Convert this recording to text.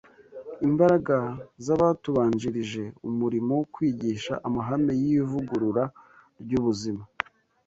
Imbaraga z’Abatubanjirije Umurimo wo Kwigisha Amahame y’Ivugurura ry’Ubuzima